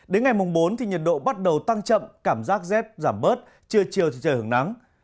đến ngày bốn nhiệt độ bắt đầu tăng chậm cảm giác rét giảm bớt chưa chiều thì trời hứng nắng